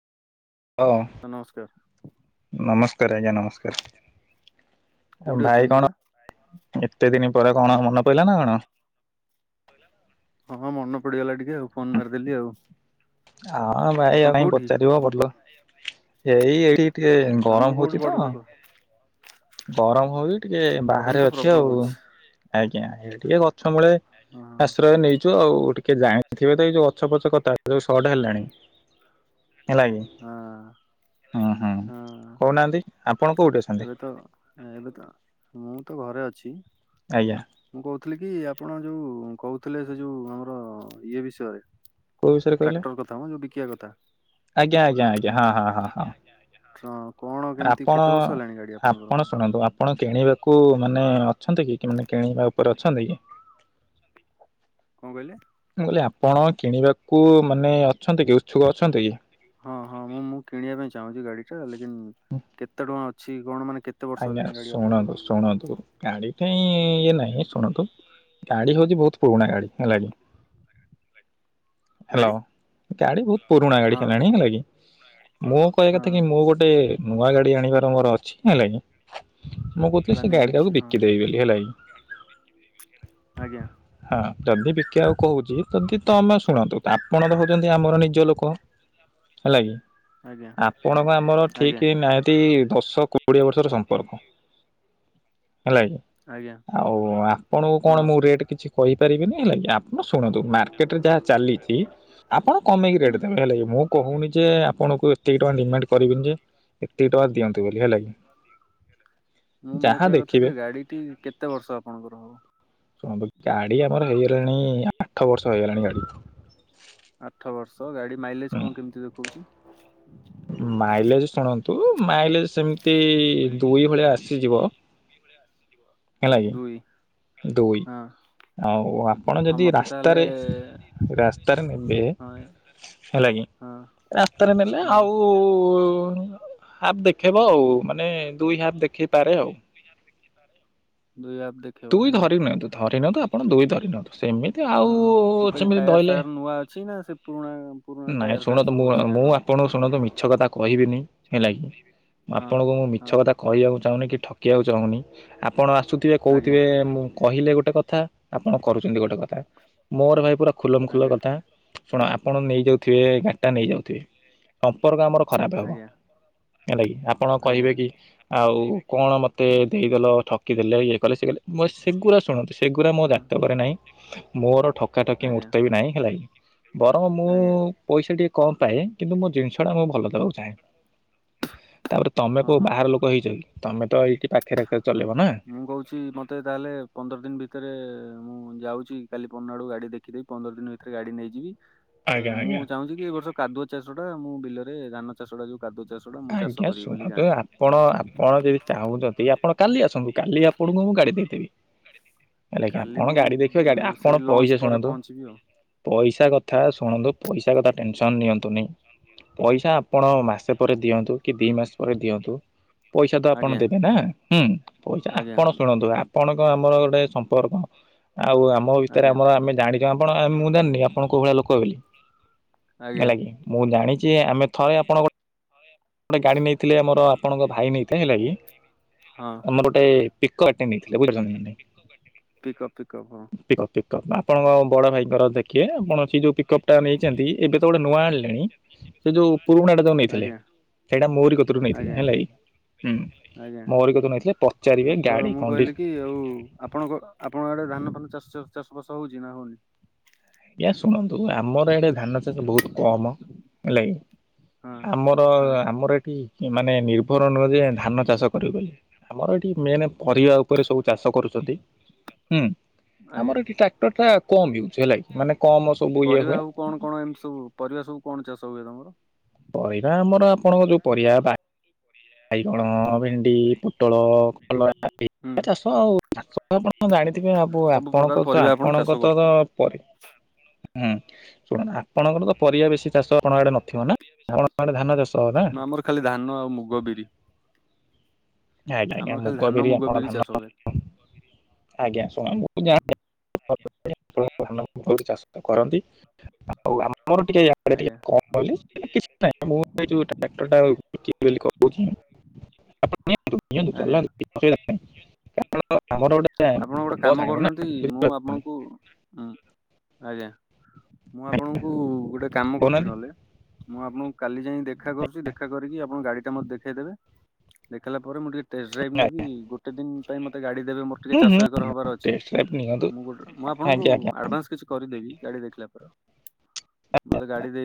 ଓ ହଉ ନମସ୍କାର। ନମସ୍କାର ଆଜ୍ଞା ନମସ୍କାର। କୋଉଠି ଭାଇ ଅଛନ୍ତି କଣ ସାର୍? ଏତେ ଦିନି ପରେ କଣ ମନେ ପଇଲା ନା କଣ? ହଁ ମନେ ପଡିଗଲା ଟିକେ ଆଉ ଫୋନ ମାରିଦେଲି ଆଉ ହାଁ ଭାଇ ଆପଣ କାଇଁ ଭାଇ କୋଉଠି? ପଚାରିବ ହଁ ଭଲ ଏଇ ଏଇଠି ଟିକେ ଆମେ ଗରମ କୋଉଠି ହଉଛି ବଡ ତ? ଲୋକ ଗରମ ହଉଚି ଟିକେ ଗରମ ବାହାରେ ତ ଅଛି। ପ୍ରବଳ ଆଉ ହଉଛି ଆଜ୍ଞା ଟିକେ ଗଛ ମୂଳେ ହଁ ଆଶ୍ରୟ ନେଇଛୁ ଆଉ ଟିକେ କି ଜାଣିଥିବେ ତ ଏଇ ଯୋଉ ଗଛପଛ କଥା ଯୋଉ ସଟ ହେଲାଣି। ହେଲା କିି ହଁ ହୁଁ ହୁଁ ହଁ କହୁନାହାନ୍ତି ଆପଣ କୋଉଠି ଅଛନ୍ତି? ଏବେ ତ ଏବେ ତ ମୁଁ ତ ଘରେ ଅଛି। ଆଜ୍ଞା। କହିଲି କି ଆପଣ ଯୋଉ କହୁଥିଲେ ସେ ଯୋଉ ଆମର ଇଏ ବିଷୟରେ। କୋଉ ବିଷୟରେ କହିଲେ ଟ୍ରାକ୍ଟର କଥା ମ ଯୋଉ ବିକିିବା କଥା। ଆଜ୍ଞା ଆଜ୍ଞା ଆଜ୍ଞା ହଁ ହଁ ହଁ ହଁ ହଁ କଣ କେମିତି ଆପଣ କେତେ ବର୍ଷ ହେଲାଣି ଗାଡି ଆପଣଙ୍କର? ଆପଣ ଶୁଣନ୍ତୁ ଆପଣ କିଣିବାକୁ ମାନେ ଅଛନ୍ତି କି କି ମାନେ କିଣିବା ଉପରେ ଅଛନ୍ତି କି? କଣ କହିଲେ କହିଲେ ଆପଣ କିଣିବାକୁ ମାନେ ଅଛନ୍ତି କି ଉତ୍ସୁକ ଅଛନ୍ତି କି? ହଁ ହଁ ମୁଁ ମୁଁ କିଣିବା ପାଇଁ ଚାହୁଁଚି ଗାଡି ଟା, ଲେକିନ କେତେ ଟଙ୍କା ଅଛି କଣ ମାନେ କେତେ ବର୍ଷ ଆଜ୍ଞା ହେଲାଣି ଗାଡି ଆପଣଙ୍କର ଶୁଣନ୍ତୁ ଶୁଣନ୍ତୁ ଗାଡି କାଇଁ ଇଏ ନାହିଁ ଶୁଣନ୍ତୁ ଗାଡି ହଉଚି ବହୁତ ପୁରୁଣା ଗାଡି ହେଲାକି। [inaudible] ଗାଡି ହାଲୋ ଗାଡି ବହୁତ ପୁରୁଣା ଗାଡି ହଁ ହେଲାଣି ହେଲା କିି। ମୋ କହିବା ହଁ। କଥାକି ମୋ ଗୋଟେ ନୂଆ ଗାଡି ଆଣିବାର ମୋର ଅଛି ହେଲା କି, ମୁଁ କହୁଥିଲି ସେ ପ୍ଲାନିଂ ଗାଡି ଅଛି କାହାକୁ ହଁ ବିକିଦେବି ବୋଲି ହେଲା କି। ଆଜ୍ଞା। ହଁ ଯଦି ବିକିବାକୁ କହୁଚି ଯଦି ତମେ ଶୁଣନ୍ତୁ ଆପଣ ତ ହଉଚନ୍ତି ଆମର ନିଜ ଲୋକ ହେଲା କି। ଆଜ୍ଞା ଆପଣଙ୍କ ଆମର ଠିକ ଆଜ୍ଞା ନିହାତି ଦଶ ଶ କୋଡ଼ିଏ ବର୍ଷର ସମ୍ପର୍କ। ହେଲା କିି ଆଜ୍ଞା ଆଉ ଆପଣଙ୍କୁ କଣ ହଁ ମୁଁ ରେଟ୍ କିଛି କହିପାରିବିନି ହେଲା କି ଆପଣ ଶୁଣନ୍ତୁ ମାର୍କେଟରେ ଯାହା ଚାଲିଚି ଆପଣ କମେଇକି ହୁଁ ରେଟ ଦେବେ ହେଲା କି ମୁଁ କହୁନି ଯେ ଆପଣଙ୍କୁ ଏତିକି ଟଙ୍କା ଡିମାଣ୍ଡ କରିବିନି ଯେ ଏତିକି ଟଙ୍କା ଦିଅନ୍ତୁ ବୋଲି ହେଲା କି। ମୁଁ ମୋ ଯାହା କହିବା କଥା ଦେଖିବେ ଯେ ଗାଡିଟି କେତେ ବର୍ଷ ଆପଣଙ୍କର ହବ? ଗଲାଣି ଆଠ ବର୍ଷ ହେଇଗଲାଣି ଗାଡି। ଆଠ ବର୍ଷ ଗାଡି ମାଇଲେଜ କଣ କେମତି ଦେଖଉଚି? ମାଇଲେଜ ଶୁଣନ୍ତୁ ମାଇଲେଜ ସେମିତି ଦୁଇ ଭଳିଆ ଆସିଯିବ। ଦୁଇ ଭଳିଆ ଆସି ହେଲାକି ଦୁଇ ହଁ ଆଉ ଆପଣ ହଁ ଯଦି ମତେ ତାହେଲେ ରାସ୍ତାରେ ରାସ୍ତାରେ ନେବେ ହଁ ହେଲା କିି ହଁ ରାସ୍ତାରେ ନେଲେ ହଁ ଆଉ ହାପ୍ ଦେଖେଇବ, ଆଉ ମାନେ ଦୁଇ ହାପ୍ ଦେଖେଇ ପାରେ ଆଉ। ଦୁଇ ଆପ୍ ଦେଖେଇବ ଦୁଇ ନାଇଁ କି? ଧରି ନିଅନ୍ତୁ, ଧରି ନିଅନ୍ତୁ ଆପଣ ଦୁଇ ଧରି ନିଅନ୍ତୁ ସେମିତି ଆଉ ହଁ ମୁଁ କହିଲି ସେମିତି ଟାୟାର ଧଇଲେ ଫାୟାର ନୂଆ ଅଛି ନା ସେ ପୁରୁଣା ପୁରୁଣା ନାଇଁ ଟାୟାର ଫାୟାର ଶୁଣନ୍ତୁ ସବୁ ମୁଁ ଅଛି ମୁଁ ଗାଡିର? ଆପଣଙ୍କୁ ଶୁଣନ୍ତୁ ମିଛ କଥା କହିବିନି ହେଲା କିି। ମୁଁ ହଁ ଆପଣଙ୍କୁ ମୁଁ ମିଛ ହଁ କଥା କହିବାକୁ ଚାହୁଁନି। କି ଠକିବାକୁ ଚାହୁଁନି, ଆପଣ ଆସୁଥିବେ ଆଜ୍ଞା କହୁଥିବେ ମୁଁ କହିଲେ ଗୋଟେ କଥା ଆପଣ କରୁଛନ୍ତି ଗୋଟେ କଥା ମୋର ଭାଇ ପୁରା ଖୁଲମଖୁଲା ଆଜ୍ଞା କଥା ଶୁଣ ଆପଣ ନେଇ ଯାଉଥିବେ ଗାଡ଼ିଟା ନେଇ ଯାଉଥିବେ ସମ୍ପର୍କ ଆମର ଖରାପ ହବ ଆଜ୍ଞା ହେଲା କିି ଆପଣ ଆଜ୍ଞା କହିବେ କି ଆଉ କଣ ମତେ ଦେଲ ଠକି ଦେଲେ ଇଏ କଲେ ସିଏ କଲେ, ମୁ ସେଗୁରା ଶୁଣନ୍ତୁ ସେଗୁରା ମୋ ହଁ। ଜାତକରେ ନାହିଁ ମୋର ଠକ୍ ଠକା ଠକି ଆଜ୍ଞା ମୂର୍ତେ ବି ନାହିଁ ହେଲା କି ବରଂ ମୁଁ ଆଜ୍ଞା ପଇସା ଟିକେ କମ ପାଏ କିନ୍ତୁ ମୋ ଜିନିଷଟା ମୁଁ ଭଲ ଦବାକୁ ଚାହେଁ। ତାପରେ ତମେ ହଁ କୋଉ ହଁ ବାହାର ଲୋକ ହେଇଚ କି ତମେ ତ ଏଇଠି ପାଖେରେ ଆଖେରେ ହଁ ଚଲେଇବ ନା? ମୁଁ କହୁଛି ମତେ ତାହେଲେ ପନ୍ଦର ଦିନ ଭିତରେ ମୁଁ ଯାଉ ଚି, କାଲି ପଅରଦିନ ଆଡୁକୁ ଗାଡି ଦେଖି ଦେଇକି ପନ୍ଦର ଦିନ ଭିତରେ ଗାଡି ନେଇଯିବି ତ ଆଜ୍ଞା ମୁଁ ଆଜ୍ଞା। ଚାହୁଁଚି କି ଏ ବର୍ଷ କାଦୁଅ ଚାଷଟା, ମୁଁ ବିଲରେ ଧାନ ଚାଷଟା ଯୋଉ କାଦୁଅ ଚାଷଟା ମୁଁ ଚାଷ ଆଜ୍ଞା କରିବି ବୋଲି ଶୁଣନ୍ତୁ ଗାଁରେ। ଆପଣ ଆପଣ ଯଦି ଚାହୁଁଚନ୍ତି ଆପଣ କାଲି ଆସନ୍ତୁ କାଲି ଆପଣଙ୍କୁ ମୁଁ ଗାଡି ଦେଇଦେବି। ହେଲା କି କାଲି ଆପଣ ମୁଁ ଗାଡ଼ି ଦେଖିବେ ଦ ଗାଡ଼ି ଆପଣ ସେଇ ପଇସା ଲଞ୍ଚ ପରେ ଶୁଣନ୍ତୁ। ପହଞ୍ଚିବି ଆଉ। ପଇସା କଥା ଶୁଣନ୍ତୁ ପଇସା କଥା ଟେନସନ୍ ନିଅନ୍ତୁନି ପଇସା ଆପଣ ମାସେ ପ ପରେ ଦିଅନ୍ତୁ କି ଦି ମାସ ପରେ ଦିଅନ୍ତୁ। ପଇସା ତ ଆପଣ ଆଜ୍ଞା ଦେବେ ନା ହୁଁ ପଇସା ଆଜ୍ଞା ଆପଣ ଶୁଣନ୍ତୁ ଆ ପଣଙ୍କ ଆମର ଗୋଟେ ସମ୍ପର୍କ ଆଉ ଆମ ଭିତରେ ଆଜ୍ଞା। ଆମର ଆମେ ଜାଣିଚ ଆପଣ। ମୁଁ ଜାଣିନି ଆପଣ କୋଉ ଭଳିଆ ଲୋକ ବୋଲି ଆଜ୍ଞା ହେଲା କିି ମୁଁ ଜାଣିଚି ଆମେ। ଥରେ ଆପଣ ଗୋଟେ ଗାଡ଼ି ନେଇଥିଲେ ଆମର ଆପଣଙ୍କ ଭାଇ ନେଇଥିଲେ ହେଲା କି। ଆମର ଗୋଟେ ପିକ ଗାଡ଼ିଟେ ନେଇଥିଲେ ବୁଝିପାରୁଛନ୍ତି ନା ନାଇଁ। ପିକଅପ୍ ପିକଅପ୍ ହଁ। କପ୍ ଆପଣଙ୍କ ବଡ ଭାଇଙ୍କର ଦେଖିବେ ଆପଣ ସେ ଯୋଉ ପିକଅପ୍ ଟା ନେଇଛନ୍ତି ଏବେ ତ ଗୋଟେ ନୂଆ ଆଣିଲେଣି। ସେ ଯୋଉ ପୁରୁଣାଟା ଯୋଉ ନେଇଥିଲେ ଆଜ୍ଞା ସେଇଟା ମୋରି କତିରୁୁ ନେଇଥିଲେ ଆଜ୍ଞା ହେଲା କି ହୁଁ। ଆଜ୍ଞା ମୋରି କତୁରୁ ନେଇଥିଲେ ପଚାରିବେ ହଁ ତ ଗାଡି ମୁଁ କଣ୍ଡିସନ କହିଲି କି ଆଉ ଆପଣଙ୍କ ଆପଣଙ୍କ ଆଡେ ଧାନ ଫା ନ ଚାଷ ଚାଷ ବାସ ହଉଛି ନା ହଉନି? ଆଜ୍ଞା ଶୁଣନ୍ତୁ ଆମର ଇଆଡେ ଧାନ ଚାଷ ବହୁତୁ କମ ହେଲା କି। ହଁ ଆମର ହଁ ଆମର ଏଠି। ମାନେ ନିର୍ଭର ନୁହ ଯେ ଧାନ ଚାଷ କରିବୁ ବୋଲି ଆମର ଏଠି ମେନ ପରିବା ଉପରେ ସବୁ ଚାଷ କରୁଛନ୍ତି ହୁଁ ଆମର ଆଜ୍ଞା। ଏଠି ଟ୍ରାକ୍ଟର ଟା କମ ୟୁଜ ହେଲା ମାନେ କମ ସବୁ ଇଏ ପରିବା ହୁଏ ସବୁ କଣ କଣ ଏମିତି ସବୁ ପରିବା ସବୁ କଣ ଚାଷ ହୁଏ ତମର? ପରିବା ଆମର ଆପଣଙ୍କ ଯୋଉ ପରିବା ବାଇଗଣ ଭେଣ୍ଡି ପୋ ପୋଟଳ କଲରା ଏ ହୁଁ। ଚାଷ ଆଉ ଚାଷ ଆପ ଆପଣ ଜାଣିଥିବେ ଅବୁ ସବୁ ପ୍ରକାର ଆପଣଙ୍କ ତ ପରିବା ଆପଣ ଚାଷ ଆପଣଙ୍କ ତର କରୁଛନ୍ତି ପରେ। ହୁଁ ଶୁଣ ଆପଣଙ୍କର ତ ପରିବା ବେଶୀ ଚାଷ ଆପଣଙ୍କ ଆଡେ ନଥିବ ନା। ଆପଣ ଙ୍କ ଆଡ଼େ ଧାନ ଚାଷ ନା ଆମର ଖାଲି ଧାନ ଆଉ ମୁଗ ବିରି। ଆଜ୍ଞା ଆଜ୍ଞା ଆମର ଖାଲି ଧାନ ମୁଗ ଆପଣ ବିରି ଧାନ ଚାଷ ହୁଏ। ଆଜ୍ଞା ଶୁଣନ୍ତୁ ମୁଁ ଜାଣ। [inaudible] [inaudible] ଆପଣଙ୍କ ଧାନ ବହୁତ ବହୁତ ଚାଷ କରନ୍ତି ଆଉ ଆମ ଆମର ଟିକେ ଆଡେ ଟିକେ ଆଜ୍ଞା କଣ କହିଲେ ସେ କିଛି ନାହିଁ ମୁଁ ଏ ଯୋଉ ଟ୍ରାକ୍ଟର ଟା ବିକିବି ବୋଲି କହୁଛି। ଆପଣ ନିଅନ୍ତୁ ନିଅନ୍ତୁ ଆଜ୍ଞା ଚଲାନ୍ତୁ କିଛି ଅସୁବିଧା ନାହିଁ ଆପଣ ଆମର ଗୋଟେ। ଆପଣ ଗୋଟେ ବସ୍ କାମ ଆଣିବୁ ନା କରୁନାହାନ୍ତି ମୁଁ ବୁଝିପାରୁଛନ୍ତି ଆପଣଙ୍କୁ ଉଁ। ଆଜ୍ଞା ମୁଁ ଆପଣଙ୍କୁ ଗୋଟେ କାମ କରୁଛି କହୁନାହାନ୍ତି ନହେଲେ। ମୁଁ ଆପଣଙ୍କୁ କାଲି ଯାଇ ଦେଖ ଦେଖା କରୁଛି ଦେଖା କରିକି ଆପଣ ଗାଡି ଟା ମତେ ଦେଖେଇଦେବେ ଦେଖାଇଲା ପରେ ମୁଁ ଟିକେ ଟେଷ୍ଟ ଡ୍ରାଇଭ ଆଜ୍ଞା ନେବି ଆଜ୍ଞା ଗୋଟେ ଦିନ ପାଇଁ ମତେ ଗାଡି ଦେବେ ମୋର ଟିକେ ହୁଁ ଚାଶ ହୁଁ ଏକର ହବାର ଅଛି ଟେଷ୍ଟ ଡ୍ରାଇଭ ନିଅନ୍ତୁ ମୁଁ ଗୋଟେ ମୁଁ ଆପଣଙ୍କୁ ଆଜ୍ଞା ଆଜ୍ଞା ଆଡ଼ଭାନ୍ସ କିଛି କରିଦେବି। ଗାଡି ଦେଖିଲା ପରେ ମତେ ଗାଡି ଦେଇ